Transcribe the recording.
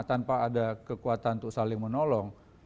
tanpa ada kekuatan untuk saling menolong